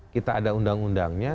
kita ada undang undangnya